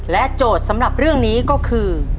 โจทย์สำหรับเรื่องนี้ก็คือ